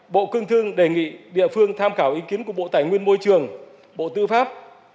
bộ công thương đề nghị địa phương tham khảo ý kiến của bộ tài nguyên môi trường bộ tư pháp